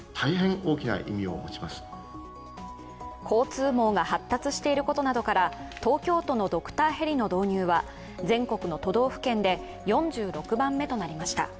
交通網が発達していることなどから東京都のドクターヘリの導入は全国の都道府県で４６番目となりました。